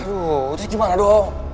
aduh itu gimana dong